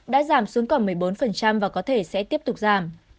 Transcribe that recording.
đã giảm xuống còn một mươi bốn và có thể sẽ tiếp tục giảm